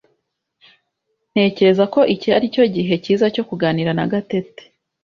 Ntekereza ko iki aricyo gihe cyiza cyo kuganira na Gatete.